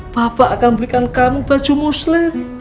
bapak akan memberikan kamu baju muslim